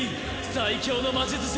最凶の魔術師